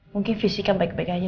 mungkin fisik kan baik baik aja